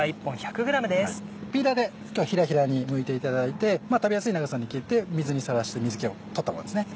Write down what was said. ピーラーで今日はヒラヒラにむいていただいて食べやすい長さに切って水にさらして水気を取ったものですね。